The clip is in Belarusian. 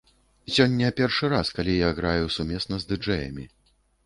Сёння першы раз, калі я граю сумесна з ды-джэямі.